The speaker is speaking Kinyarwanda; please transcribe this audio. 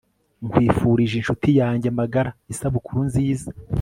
nkwifurije inshuti yanjye magara isabukuru nziza